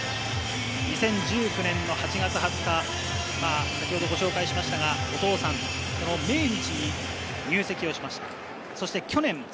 ２０１９年の８月２０日、先ほどご紹介しましたが、お父さんの命日に入籍しました。